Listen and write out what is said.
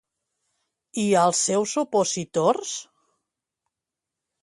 I als seus opositors?